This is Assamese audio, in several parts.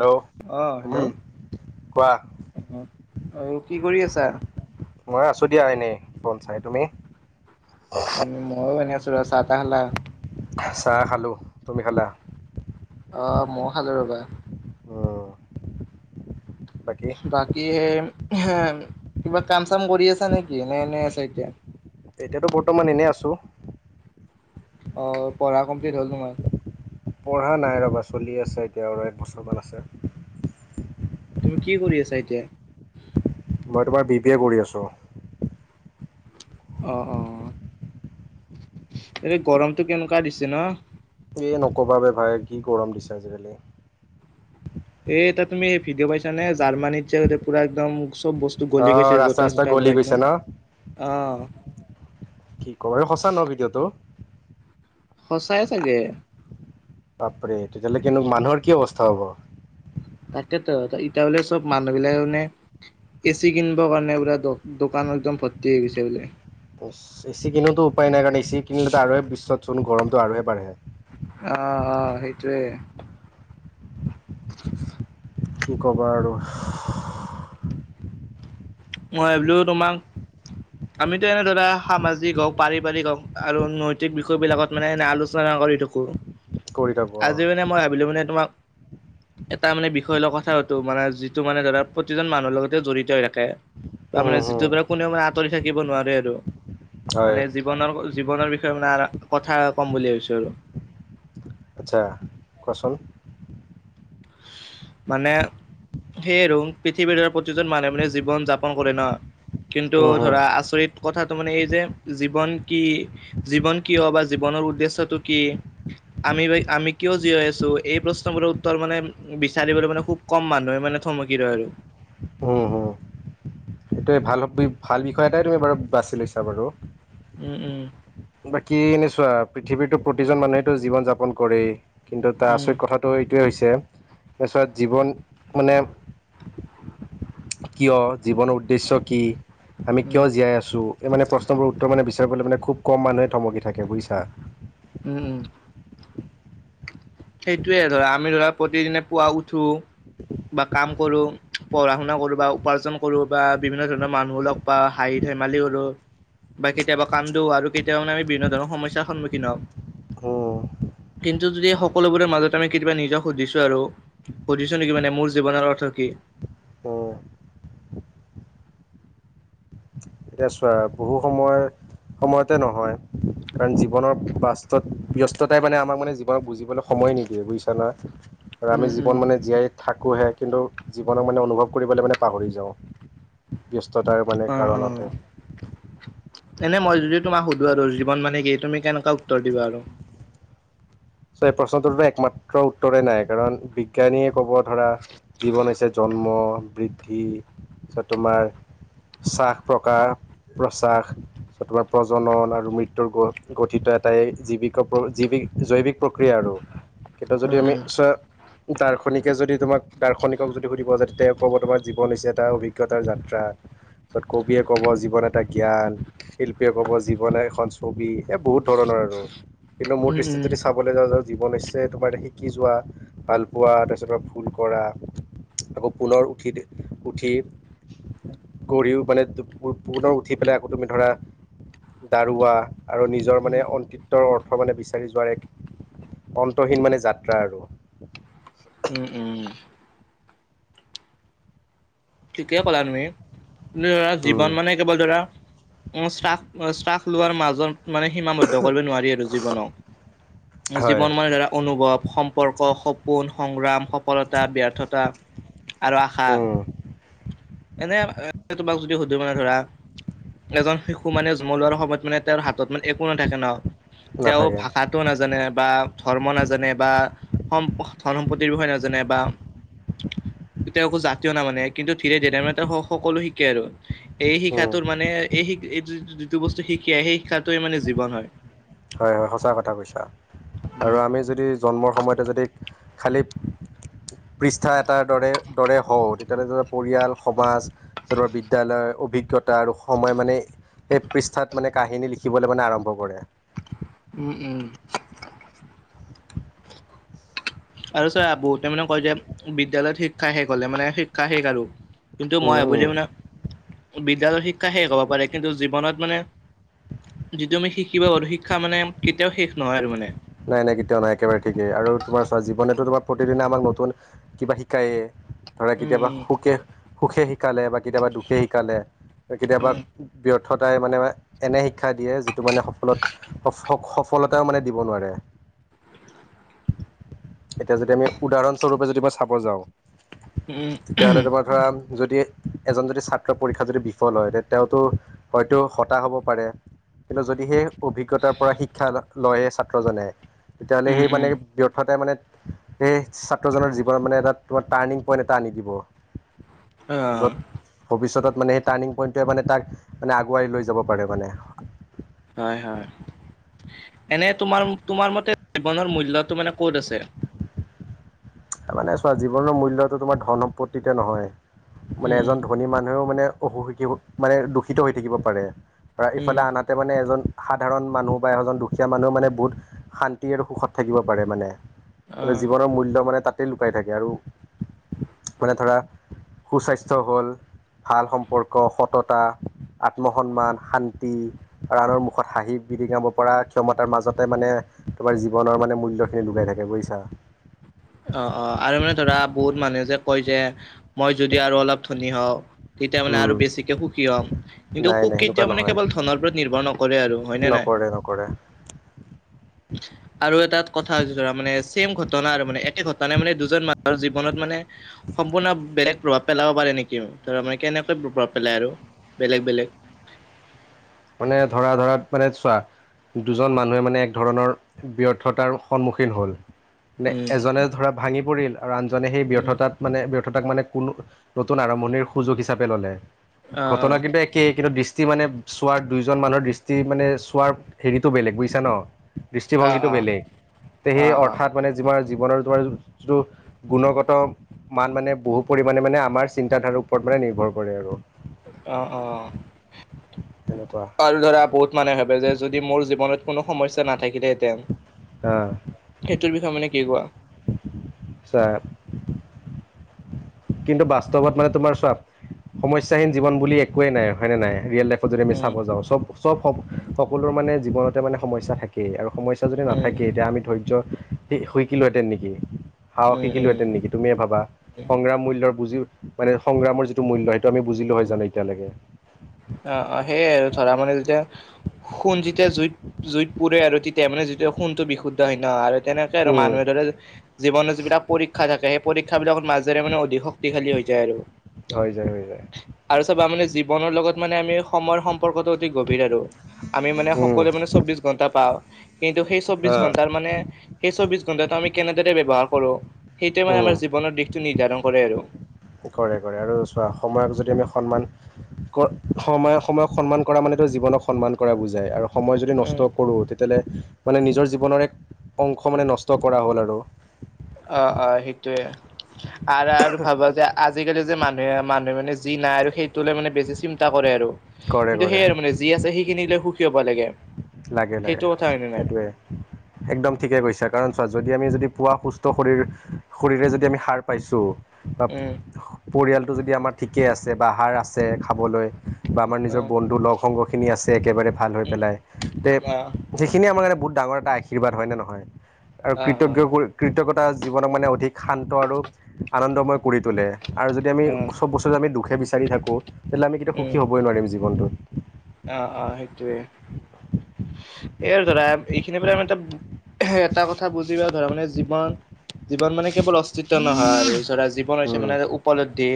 হেল্ল' অহ উম হেল্ল' কোৱা অহ অ কি কৰি আছা? মই আছো দিয়া এনেই ফোন চাই। তুমি? উম ময়ো এনে আছো ৰ। চাহ তাহ খালা? চাহ খালো। তুমি খালা? অ মই খালো ৰ'বা। অহ বাকী হ কিবা কাম চাম কৰি আছা নেকি এ এনে আছে এতিয়া। এতিয়াতো বৰ্তমান এনে আছো। অ পঢ়া কমপ্লিট হ'ল তোমাৰ পঢ়া নাই ৰ'বা চলি আছে এতিয়া আৰু এক বছৰমান আছে। তুমি কি কৰি আছা এতিয়া? মই তোমাৰ বি পি এ কৰি আছো অ অ এনে গৰমটো কেনেকোৱা দিছে ন এ নকবা ৰে ভাই কি গৰম দিছে আজিকালি এ এটা তুমি ভিডিঅ' পাইছা নে জাৰ্মানীত যে পুৰা একদম চব বস্তু অ গলি গৈছে ৰাস্তা জোতা ৰাস্তা চোতা গলি পৰা গৈছে একদম ন অহ কি ক এই সঁচা ন ভিডিঅ'টো সঁচাই চাগে। বাপৰে তেতিয়াহ'লে কেনে মানুহৰ কি অৱস্থা হ'ব। তাকেতো এতিয়া বোলে চব মানুহ বিলাক মানে এচি কিনিবৰ কাৰণে বোলে দ দোকানতো একদম ভৰ্তি হৈ গৈছে বোলে এ চি কিনোতো উপায় নাই কাৰণ এচি কিনিলো আৰু বিশ্বত চোন গৰমতটো আৰুহে বাঢ়ে অ অ সেইটোৱে কি ক'বা আৰু মই ভাবিলো তোমাক আমিতো এনে ধৰা সামাজিক হওঁক পাৰিবাৰিক হওঁক আৰু নৈতিক বিষয় বিলাকত মানে এনে আলোচনা কৰিলো কৰি থাকো অ আজি মানে মই ভাবিলোঁ মানে তোমাক এটা মানে বিষয় লৈ কথা পাতো মানে যিটো মানে ধৰা প্ৰতিজন মানুহৰ লগতে জড়িত হৈ থাকে। বা মানে উম উম যিটোৰ পৰা কোনেও মানে আঁতৰি থাকিব নোৱাৰে আৰু হয় মানে জীৱনৰ জীৱনৰ বি বিষয়ে কথা ক'ম বুলি ভাবিছো আচ্ছা কোৱাচোন মানে সেয়ে ৰুং পৃথিৱীৰ প্ৰতিজন মানুহ মানে জীৱন যাপন কৰে ন কিন্তু উম উম ধৰা আচৰিত কথাটো মানে এই যে জীৱন কি জীৱন কিয় বা জীৱন ৰ উদ্দেশ্যটো কি আমি আমি কিয় জীয়াই আছো এই প্ৰশ্ন বোৰৰ উত্তৰ মানে বিচাৰিবলৈ মানে খুব কম মানুহে মানে থমকি ৰয় আৰু এইটোৱে ভাল ভাল বিষয় এটাই তুমি বাৰু বাছি লৈছা বাৰু উম উম বাকী এনে চোৱা পৃথিৱীতো প্ৰতিজন মানুহেতো জীৱন যাপন কৰেই। কিন্তু তাৰ উম আচৰিত কথাটো এইটোৱেই হৈছে ম চৰা জীৱন মানে। কিয় জীৱনৰ উদ্দেশ্য কি। আমি কিয় উম জীয়াই আছো এই মানে প্ৰশ্ন বোৰৰ উত্তৰ মানে বিচাৰিবলে মানে খুব। কম মানুহে থমকি থাকে বুজিছা। উম উম। সেইটোয়ে আৰু আমি ধৰা প্ৰতিদিনে পুৱা উঠো। বা কাম কৰো পঢ়া শুনা কৰো বা উপাৰ্জন কৰো বা বিভিন্ন ধৰণৰ মানুহ লগ বা হাই। ধেমালি কৰো। বা কেতিয়াবা কান্দো আৰু কেতিয়াবা মানে আমি বিভিন্ন ধৰণৰ সমস্যাৰ সন্মুখীন হওঁ। উম, কিন্তু যদি। সকলোবোৰৰে মাজতে আমি কেতিয়াবা নিজক সুধিছো আৰু সুধিছো নেকি মানে মোৰ জীৱনৰ অৰ্থ কি? অ। [unintelligible] এতিয়া চোৱা বহু সময়। সময়তে নহয় কাৰণ জীৱনৰ বাস্ত ব্যস্ততাই মানে আমাক মানে জীৱন বুজিবলৈ সময়। সময় নিদিয়ে বুজিছা না আৰু আমি উম উম। জীৱন মানে জীয়াই। থাকোঁহে কিন্তু জীৱনক মানে অনুভৱ কৰিবলৈ মানে পাহৰি যাওঁ ব্যস্ত। ব্যস্ততাৰ মানে অ অ কাৰণতে। এনে মই যদি তোমাক সুধো আৰু জীৱন মানে কি তুমি কেনেকুৱা উত্তৰ দিবা আৰু। এই প্ৰশ্নটোতো একমাত্ৰ উত্তৰে নাই কাৰণ বিজ্ঞানীয়ে ক'ব। ধৰা জীৱন হৈছৈ জন্ম বৃদ্ধি তাৰপিছত তোমাৰ। চাহ প্ৰকাৰ। প্ৰাসাদ তাৰপিছত তোমাৰ প্ৰজনন আৰু মৃত্যুৰ গঠিত এই জীৱিকা জীৱিক। জৈৱিক প্ৰক্ৰিয়া আৰু কিতু যদি উম উম। আমিচ। দাৰ্শনিকে যদি তোমাক দাৰ্শনিকক যদি সুধিব যা তে তেওঁ ক'ব তোমাৰ জীৱন হৈছে এটা অভিজ্ঞতাৰ যাত্ৰা। য'ত কবিয়ে ক'ব জীৱন এটা জ্ঞান, শিল্পীয়ে কব জীৱনে এখন ছবি এ বহুত ধৰণৰ। কিন্তু মোৰ উম দৃষ্টিত যদি। উম কলৈ যাওঁ যা জীৱন হৈচ্ছে তোমাৰ এ শিকি যোৱা ভাল পোৱা তাৰপিছত ভুল কৰা। আকৌ পুনৰ উঠি উঠি। পৰিও মানে পুনৰ উঠি পেলাই আকৌ তুমি ধৰা। দাৰুৱা আৰু নিজৰ মানে অন্তিত্বৰ অৰ্থ মানে বিচাৰি যোৱাৰ এক। অন্তহীন মানে যাত্ৰা আৰু। উম উম ঠিকেই কলা তুমি ধৰা উম জীৱন মানে কেৱল ধৰা। শাস শ্বাস লোৱাৰ মাজত মানে সীমাবদ্ধ কৰিব নোৱাৰি আৰু জীৱনক। হয় জীৱন মান ধৰা অনুভৱ সম্পৰ্ক। সপোন সংগ্ৰাম সফলতা ব্যৰ্থতা আৰু আশা। উম এনে তোমাক যদি শুধু মানে ধৰা। এজন শিশু মানে জন্ম লোৱাৰ সময়ত মানে তেওঁৰ হাতত মানে একো নাথাকে ন। তেওঁ নাথাকে ভাষাটো নাজানে বা ধৰ্ম নাজানে বা সম। ধন সম্পত্তিৰ বিষয়ে নাজানে বা কেতিয়াও একো জাতীয় ন মানে। কিন্তু ধীৰে ধীৰে মানে ত সকলো শিকে আৰু এই উম, শিক্ষাটোৰ মানে এই শ। এই যিটো বস্তু শিকে সেই শিক্ষাটোৱেই মানে জীৱন হয়। হয় হয় সঁচা কথা কৈছা আৰু উম আমি যদি জন্মৰ সময়তে যদি। খালী। পৃষ্ঠা এটাৰ দৰে দৰে হওঁ তেতিয়া হ'লে পৰিয়াল সমাজ বিদ্যয়ালয়। অভিজ্ঞতা আৰু সময় মানে সেই পৃষ্ঠাত মানে কাহিনী লিখিবলৈ মানে আৰম্ভ কৰে। উম উম। আৰু ছাৰ আবু ত মানে কয় যে বিদ্যালয়ত শিক্ষা শেষ হলে মানে শিক্ষা শেষ আৰু। কিন্তু উম মই উম ভাবোতে মান বিদ্যালয়ৰ শিক্ষা শেষ হ'ব পাৰে কিন্তু জীৱনত মানে। যিটো আমি শিকিব পাৰো শিক্ষা মানে কেতিয়াও শেষ নহয় আৰু মানে নাই নাই কেতিয়াও নাই একেবাৰে ঠিকেই আৰু তোমাৰ চোৱা জীৱনেতো তোমাৰ প্ৰতিদিনে আমাক নতুন কিবা শিকায়ে ধৰা উম কেতিয়াবা উম সুকে সুখে শিকালে বা কেতিয়াবা দুখে শিকালে কেতিয়াবা উম, ব্যৰ্থতাই মানে এনে শ শিক্ষা দিয়ে যিটো মানে সফলত সফলতাও মানে দিব নোৱাৰে এতিয়া যদি আমি উদাহৰণস্বৰূপে যদি মই চাব যাওঁ উম, তেতিয়া হ'লে উম, তোমাৰ ধৰা যদি এজন যদি ছাত্ৰ পৰীক্ষা যদি বিফল হয় তে তেওঁতো হয়তো হতাশ হ'ব পাৰে কিন্তু যদি সেই অভিজ্ঞতাৰ পৰা শিক্ষা লয়ে সেই ছাত্ৰজনে তেতিয়াহ'লে উম, সেই উম, মানে ব্যৰ্থতাই মানে এই ছাত্ৰজনৰ জীৱনত মানে এটা তোমাৰ টাৰ্ণিং পইণ্ট এটা আনি দিব য'ত অ', ভৱিষ্যতত মানে সেই টাৰ্ণিং পইণ্টোৱে মানে তাক মানে আগুৱাই লৈ যাব পাৰে মানে হয় হয় এনে তোমাৰ তোমাৰ মতে জীৱনৰ মূল্যটো মানে ক'ত আছে মানে চোৱা জীৱনৰ মূল্যটো তোমাৰ ধন সম্পত্তিতে নহয় মানে উম, এজন ধনী মানুহেও মানে অসুখী মানে দূষিত হৈ থাকিব পাৰে বা উম, ইফালে আনহাতে মানে এজন সাধাৰণ মানুহ বা এজন দুখীয়া মানুহ মানে বহুত শান্তি আৰু সুখত থাকিব পাৰে মানে এটা অ', জীৱনৰ মূল্য মানে তাতেই লুকাই থাকে আৰু মানে ধৰা সুস্বাস্থ্য হ'ল ভাল সম্পৰ্ক সততা আত্ম সন্মান শান্তি আনৰৰ মুখত হাঁহি বিৰিঙাব পৰা ক্ষমতাৰ মাজতে মানে তোমাৰ জীৱনৰ মানে মূল্যখিনি লুকাই থাকে বুজিছা [unintelligible] অ অ আৰু মানে ধৰা বহুত মানুহে যে কয় যে মই যদি আৰু অলপ ধনী হওঁ তেতিয়া মানে উম, আৰু বেছিকে সুখী হ'ম কিন্তু নাই সুখ নাই সেনেকুৱা কেতিয়া মানে নহয় কেৱল ধনৰ ওপৰত নিৰ্ভৰ নকৰে আৰু হয়নে নাই কৰে আৰু এটা কথা হৈছে ধৰা মানে চেম ঘট না আৰু মানে একে ঘটনাই মানে দুজন মানুহৰ জীৱনত মানে সম্পূৰ্ণ বেলেগ প্ৰভাৱ পেলাব পাৰে নেকি ধৰা মানে কেনেকৈ প্ৰভাৱ পেলাই আৰু বেলেগ বেলেগ মানে ধৰা ধৰাত মানে চোৱা। দুজন মানুহে মানে এক ধৰণৰ ব্যৰ্থতাৰ সন্মুখীন হল। নে উম, এজনে ধৰা ভাঙি পৰিল আৰু আনজনে সেই উম। ব্যৰ্থতাত মানে। মানে কোনো নতুন আৰম্ভণিৰ সুযোগ হিচাপে ললে অ', ঘটনা অ', কিন্তু একেই কিন্তু দৃষ্টি মানে চোৱাৰ দুইজন মানুহৰ দৃষ্টি মানে চোৱাৰ হেৰিটো বেলেগ বুজিছা ন দৃষ্টিভংগীটো অ', বেলেগ তে সেই অ', অৰ্থাৎ মানে তোমাৰ জীৱনৰ তোমাৰ যিটো গুণগত মান মানে বহু পৰিমাণে মানে আমাৰ চিন্তাধাৰাৰ ওপৰত নিৰ্ভৰ কৰে আৰু অ অ তেনেকুৱা আৰু ধৰা বহুত মানুহে ভাবে যে যদি মোৰ জীৱনত কোনো সমস্যা নাথাকিলেহেতেন আহ এতিয়া সেইটোৰ বিষয়ে মানে কি কোৱা ছাৰ কিন্তু বাস্তৱত মানে তোমাৰ চ সমস্যাহীন জীৱন বুলি একোৱে নাই হয় নে নাই ৰিয়েল লাই যদি আমি উম, চাব যাওঁ চব চব সকলো মানে জীৱনতে মানে সমস্যা থাকেই আৰু সমস্যা যদি উম, নাথাকে এতিয়া আমি ধৈৰ্য নিশিকিলো হেতেন নেকি। সাহখ উম, উম, শিকিলোহেতেন নেকি তুমিয়ে ভাবা সংগ্ৰাম বুজি মানে সংগ্ৰামৰ যিটো মূল্য সেইটো আমি বুজিলো হয় জানে এতিয়ালৈকে। অ অ সেইয়াই আৰু ধৰা মানে যেতিয়া সোণ যেতিয়া জুইত জুইত পুৰে আৰু তেতিয়া মানে যেতিয়া সোণটো বিশুদ্ধ হয় ন তেনেকে আৰু উম মানুহে ধৰা জীৱনৰ যিবিলাক পৰীক্ষা থাকে সেই পৰীক্ষা বিলাক মাজেৰে মানে অধিক শক্তিশালী হৈ যায় আৰু হৈ যায় হৈ যায় আৰু চাবা মানে জীৱনৰ লগত মানে আমি সময়ৰ সম্পৰ্কটো অতি গভীৰ আৰু আমি মানে উম সকলোৱে মানে চৌবিশ ঘন্টা পাওঁ কিন্তু সেই চৌবিশ ঘন্টাৰ মানে সেই চৌবিশ ঘণ্টাটো আমি কেনেদৰে ব্যৱহাৰ কৰো। সেইটোৱে মানে উম আমাৰ জীৱনৰ দিশটো নিৰ্ধাৰণ কৰে আৰু কৰে কৰে আৰু চোৱা সময়ক যদি আমি সন্মান সময় সময়ক সন্মান কৰা মানে তোমাক জীৱনক সন্মান কৰা বুজাই আৰু সময় যদি উম, নষ্ট কৰো তেতিয়াহ'লে মানে নিজৰ জীৱনৰ এক অংশ মানে নষ্ট কৰা হ'ল আৰু অহ অহ সেইটোৱে আৰু আৰু ভাবা যে আজিকালি যে মানুহে মানুহে মানে যি নাই আৰু সেইটোলে মানে বেছি চিন্তা কৰে আৰু কৰে কিন্তু কৰে সেই আৰু মানে যি আছে সেইখিনি লৈ সুখী হ'ব লাগে। লাগে লাগে সেইটো কথা হয়নে নাই? সেইটোৱে একদম ঠিকে কৈছা কাৰণ চোৱা যদি আমি যদি। পোৱা সুস্থ শৰীৰ শৰীৰে যদি আমি সাৰ পাইছো বা উম, পৰিয়ালটো যদি আমাৰ ঠিকে আছে বা আহাৰ আছে। খাবলৈ বা আমাৰ নিজৰ অ', বন্ধু লগ সংগখিনি আছে একেবাৰে ভাল হৈ উম, পেলাই। তে অ', সেইখিনিয়ে আমাৰ কাৰানে বহুত ডাঙৰ এটা আৰ্শীবাদ হয় নে নহয়। আৰু অ', কৃতজ্ঞ অ', কৃতজ্ঞতা জীৱনক মানে অধিক শান্ত আৰু আনন্দময় কৰি তোলে আৰু যদি আমি উম, চব বস্তুতে আমি দুখে বিচাৰি থাকো তেতিয়াহ'লে আমি কেতিয়া সুখী হ'বই নোৱাৰিম জীৱনটোত। অ অ সেইটোৱে সেইয় আৰু ধৰা এইখিনিৰ পৰা আমি এটা এটা কথা বুজি ধৰা মানে জীৱন জীৱন মানে কেৱল অস্তিত্ব নহয় আৰু ধৰা জীৱন হৈছে উম মানে উপলব্ধি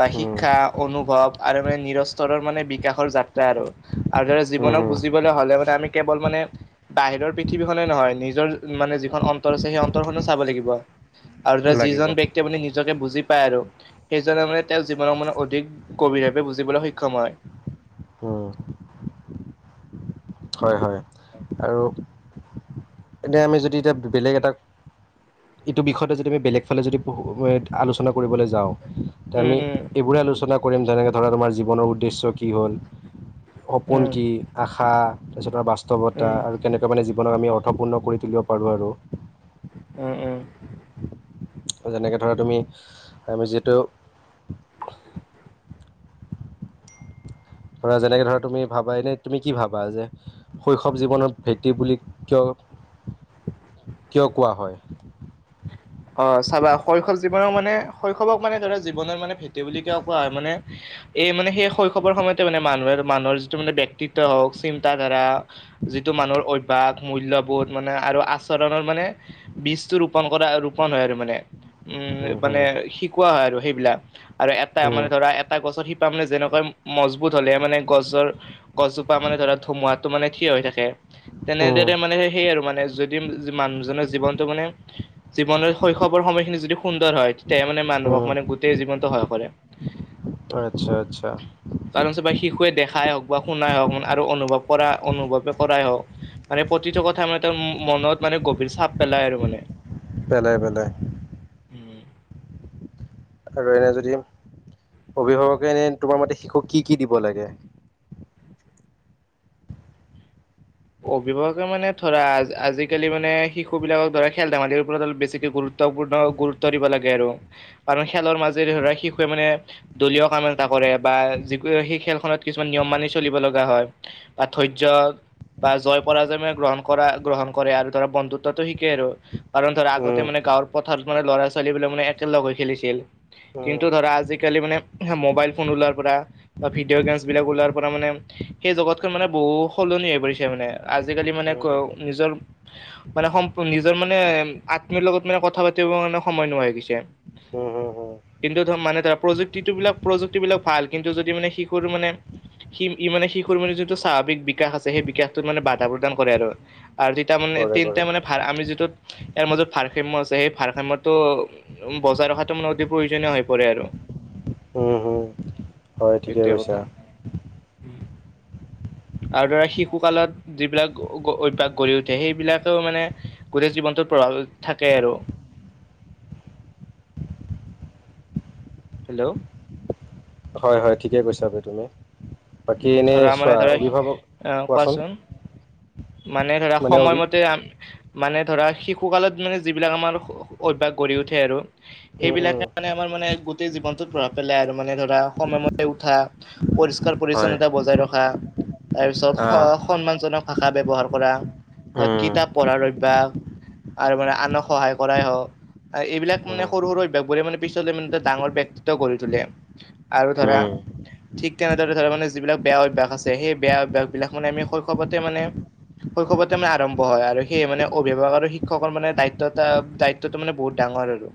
বা উম শিক্ষা অনুভৱ আৰু মানে নিৰস্তৰৰ মানে বিকাশৰ যাত্ৰা আৰু আৰু উম জীৱনক হুম বুজিবলৈ হলে মানে আমি কেৱল মানে বাহিৰৰ পৃথিৱীখনে নহয় নিজ নিজৰ মানে যিখন অন্তৰ আছে সেই অন্তৰ খনো চাব লাগিব। আৰু ধৰা লাগিব যিজন ব্যক্তিয়ে মানে নিজকে বুজি পায় আৰু সেইজন মানে তেওঁৰ জীৱনৰ মান অধিক গভীৰভাৱে বুজিবলৈ সক্ষম হয় অ হয় হয় আৰু এনেই আমি যদি এতিয়া বেলেগ এটা এইটো বিষয়তে যদি আমি বেলেগ ফালে যদি আলোচনা কৰিবলৈ যাওঁ উম আমি উম এইবোৰে আলোচনা কৰিম যেনেকে ধৰা তোমাৰ জীৱনৰ উদ্দেশ্য কি হ'ল সপোন উম কি আশা তাৰপিছত বাস্তৱতা উম আৰু কেনেকুৱা মানে জীৱনাক আমি অৰ্থপূৰ্ণ কৰি তুলিব পাৰোঁ আৰু উম উম যেনেকৈ ধৰা তুমি আমি যিতু ধৰা যেনেকে ধৰা তুমি ভাবা এনেই তুমি কি ভাবা যে শৈশৱ জীৱনৰ ভেটি বুলি কিয় [inaudible] কিয় কোৱা হয়। অ চাবা শৈশৱ জীৱনৰ মানে শৈশৱক মানে ধৰা জীৱনৰত মানে ভেটি বুলি কিয় কোৱা হয় মানে এই মানে সেই শৈশৱৰ সময়তে মানে মানুহে মানুহৰ যিটো মানে বিক্যক্তিত হওক চিন্তা ধাৰা যিটো মানুহৰ অভ্যাস মূল্যবোধ মানে আৰু আচৰণৰ মানে বীজটো ৰোপণ কৰা আৰু মানে উম মানে শিকোৱা হয় আৰু সেইবিলাক। আৰু এটা মানে উম ধৰা এটা গছৰ শি মানে যেনেকা মজবুত হলেহে মানে গছৰ গছজোপা মানে ধৰা ধুমুহাতটো মানে থিয় হৈ থাকে তেনেদৰে উম মানে সেইয আৰু মানে যদি মানুহজনৰ জীৱনটো মানে জীৱনৰ শৈশৱৰ সময়খিনি যদি সুন্দৰ হয় তেতিয়াহে মানে মানুহক উম মানে গোটেই জীৱনতটো সহায় কৰে আচ্ছা আচ্ছা কাৰণ চ বা শিশুৱে দেখাই হওক বা শুনাই হওক আৰু অনুভৱ কৰা অনুভৱে কৰাই হওক মানে প্ৰতিটো কথা মানে তাৰ মনত মানে গভীৰ চাপ পেলাই আৰু মানে পেলাই পেলাই উম আৰু এনে যদি অভিভাৱকে এনে তোমাৰ মতে শিশুক কি কি দিব লাগে অভিভাৱকে মানে ধৰা আজিকালি মানে শিু বিলাকক ধৰা খেল ধেমালিৰ ওপৰত অলপ বেছিকে গুৰুত্ব গুৰুত্বপূৰ্ণ গুৰুত্ব দিব লাগে আৰু কাৰণ খেলৰ মাজেৰে ধৰা শিশুৱে মানে দলীয় কাম এটা কৰে কৰে বা যি সেই খেলখনত কিছুমান নিয়ম মানি চলিব লগা হয় বা ধৈৰ্য বা জয় পৰাজয় গ্ৰহণ কৰা গ্ৰহণ কৰে আৰু ধৰা বন্ধুত্বটো শিকে আৰু কাৰণ ধৰা আগতে উম মানে গাঁৱৰ পথাৰত মানে ল'ৰা ছোৱালীবিলাক মানে একেলগ হৈ খেলিছিল উম কিন্তু ধৰা আজিকালি মানে ম'বাইল ফোন ওলাৰ পৰা বা ভিডিঅ' গেমছ বিলাক ওলাৰ পৰা মানে সেই জগতখনৈ মানে বহু সলনি হৈ পৰিছে মানে আজিকালি মানে উম ক হুম নিজৰ মানে সম নিজৰ মানে আত্মীৰ লগত মানে কথা পাতিব কাৰানে সময় নোহোৱা হৈ গৈছে উ কিন্তু ধৰ মানে ধৰা প্ৰযুক্তিটো বিলাক প্ৰযুক্তিবিলাক ভাল কিন্তু যদি মানে শিশুৰ মানে সি ই মানে শিশুৰ মানে যিটো স্বাভাৱিক বিকাশ আছে সেই বিকাশ মানে বাধা প্ৰদান কৰে আৰু দুতটা মানে কৰে কৰে তিনিটা মানে ভাল আমি যিটো ইয়াৰ মাজত ভাৰসম্য আছে সেই ভাৰসাম্যটো বজাই ৰখাটো মানে অতি প্ৰয়োজনীয় হৈ পৰে আৰু [inaudible] উম উম হয় ঠিকে সেইটোৱে কৈছা কথা আৰু ধৰা শি পশুকালত যিবিলাক অভ্যাস গঢ়ি উঠে সেইবিলাকেও মানে গোটেই জীৱনটোত প্ৰভাৱ থাকে [unintelligible] হেল্ল' হয় হয় ঠিকে কৈছা বে তুমি বাকী উম এনেই ধৰা মানে চোৱা ধৰা অভিভাৱক আহ কোৱাচোন মানে ধৰা সময়মতে মানে ধৰা শিশুকালত মানে যিবিলাক আমাৰ অভ্যাস গঢ়ি উঠে আৰু উম উম সেইবিলাকে মানে আমাৰ মানে গোটেই জীৱনতটোত প্ৰভাৱ পেলাই আৰু মানে ধৰা সময় মতে উঠা পৰিষ্কাৰ হয় পৰিচ্ছন্নতা বজাই ৰখা তাৰ পিছত আহ সন্মান জনক কা ব্যৱহাৰ কৰা ত উম কিতাপ পঢ়াৰ অভ্যয়াস আৰু মানে আনক সহায় কৰাই হওঁক এইবিলাক মানে উম সৰু সৰু অভ্যাসবোৰে মানে পিছলে মানে এটা ডাঙৰ ব্যক্তিত্ব গঢ়ি তোলে আৰু ধৰা উম ঠিক তেনেদৰে ধৰ মানে যিবিলাক বেয়া অভ্যাস আছে সেই বেয়া অভ্যয়াস বিলাক মানে আমি শৈশৱতে মানে [unintelligible] শৈশৱতে মানে আৰম্ভ হয় আৰু সেই মানে অভিভাৱক আৰু শিক্ষকৰ মানে দায়িত্ব দায়িত্বটো মানে বহুত ডাঙৰ আৰু উ [unintelligible]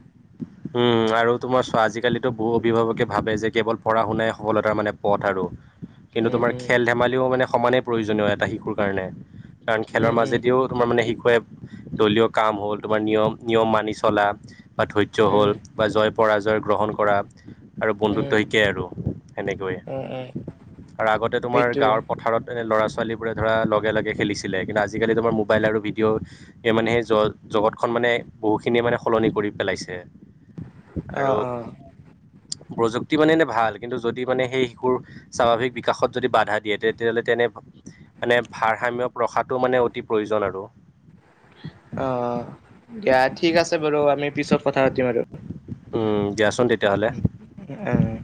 উম আৰু তোমাৰ চোৱা আজিকালিতো বহু অভিভাৱকে ভাবে যে কেৱল পঢ়া শুনাই সফলতাৰ মানে পথ আৰু কিন্তু উম তোমাৰ খেল ধেমালিও মানে সমানে প্ৰয়োজনীয় এটা শিশুৰ কাৰণে কাৰণ উম খেলৰ উম মাজেদিও তোমাৰ মানে শিক বিষয় দলীয় কাম হ'ল তোমাৰ নিয়ম নিয়ম মানি চলা বা ধৈৰ্য্য উম হ'ল উম বা জয় পৰাজয় গ্ৰহণ কৰা আৰু উম বন্ধুত্ব শিকে আৰু কেনেকৈ উম উম আৰু আগতে তোমাৰ সেইটোৱে গাঁৱৰ পথাৰত এনে ল'ৰা-ছোৱালীৰ ছোৱালী বোৰে ধৰা লগে লগে খেলিছিলে কিন্তু আজিকালি মোবাইল আৰু ভিডিঅ' সেই জগতৰ খন মানে বহুখিনিয়ে মানে সলনি কৰি পেলাইছে অহ আৰু অহ প্ৰযুক্তি মানে এনে ভাল কিন্তু যদি মানে সেই শিশুৰ স্বাভাৱিক বিকাশত যদি বাধা দিয়ে তেতিয়াহ'লে তেনে মানে ভাৰস্যয ৰখাটো মানে অতি প্ৰয়োজন আৰু অ দিয়া ঠিক আছে বাৰু আমি পিছত কথা পাতিম আৰু উম দিয়াচোন তে উ উম [unintelligible]